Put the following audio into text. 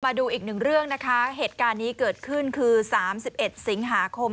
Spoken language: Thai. มาดูอีกหนึ่งเรื่องนะคะเหตุการณ์นี้เกิดขึ้นคือ๓๑สิงหาคม